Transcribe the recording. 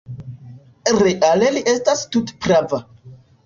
Reale li estas tute prava.